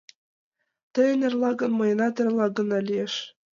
— Тыйын эрла гын, мыйынат эрла гына лиеш...